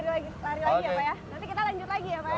nanti kita lanjut lagi ya pak ya